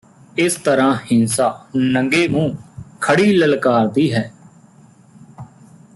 ਇਸ ਤਰ੍ਹਾਂ ਹਿੰਸਾ ਨੰਗੇ ਮੂੰਹ ਖੜ੍ਹੀ ਲਲਕਾਰਦੀ ਹੈ